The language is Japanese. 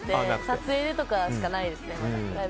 撮影でとかしかないですね。